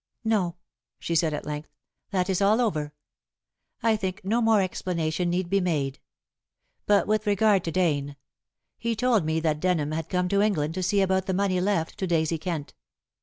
"No," she said at length; "that is all over. I think no more explanation need be made. But with regard to Dane. He told me that Denham had come to England to see about the money left to Daisy Kent.